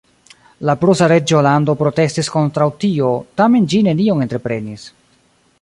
La prusa reĝolando protestis kontraŭ tio, tamen ĝi nenion entreprenis.